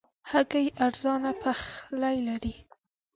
هګۍ ارزانه پخلی لري.